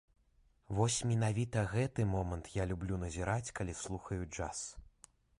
Вось менавіта гэты момант я люблю назіраць, калі слухаю джаз.